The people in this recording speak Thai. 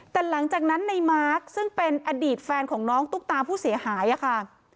แต่หลังจากนั้นในมาร์คซึ่งเป็นอดีตแฟนของน้องตุ๊กตาผู้เสียหายค่ะ